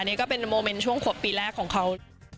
นี่ก็เป็นโมเมนต์ช่วงขวบปีแรกของเขา